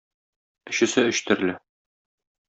Өчесе өч төрле.